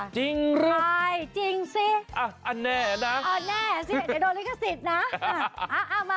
จริงหรือใช่จริงสิอันแน่นะแน่สิเดี๋ยวโดนลิขสิทธิ์นะ